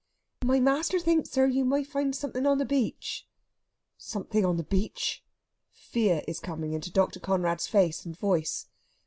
"My master thinks, sir, you may find something on the beach...." "Something on the beach!..." Fear is coming into Dr. Conrad's face and voice.